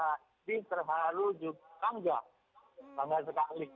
wildlife juga di prepare iya juga orang orang ramah juga